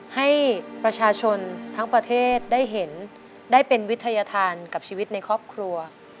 ให้ประชาชนทั้งประเทศได้เห็นได้เป็นวิทยาธารกับชีวิตในครอบครัว